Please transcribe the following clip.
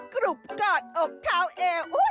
กรุบกอดอกเท้าเอว